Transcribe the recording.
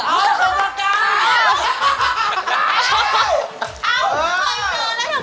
อ้าวฟาริตาดวงอินค่ะ